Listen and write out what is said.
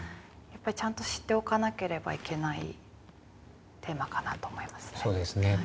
やっぱりちゃんと知っておかなければいけないテーマかなと思いますね。